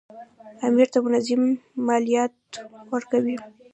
امیر ته منظم مالیات ورکوي.